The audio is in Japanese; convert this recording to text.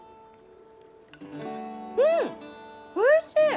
うんおいしい！